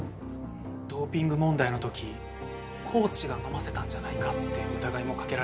ドーピング問題の時コーチが飲ませたんじゃないかって疑いもかけられたみたいで。